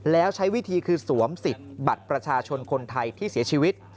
แล้วใช้วิธีคือสวมสิทธิ์บัตรประชาชนคนไทยที่เสียชีวิต